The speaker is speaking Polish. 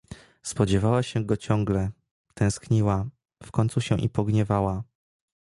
"Spodziewała się go ciągle, tęskniła, w końcu się i pogniewała."